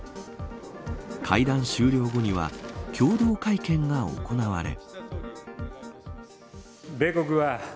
会談終了後には共同会見が行われ。